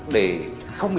để không bị bắt